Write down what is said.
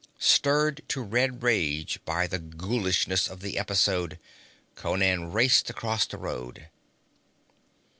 Stirred to red rage by the ghoulishness of the episode, Conan raced across the road.